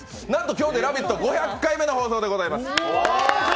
今日で５００回目の放送でございます。